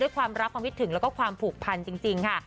ความรักความคิดถึงแล้วก็ความผูกพันจริงค่ะ